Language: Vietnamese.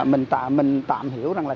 mình tạm hiểu rằng là